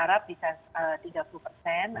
harap bisa tiga puluh persen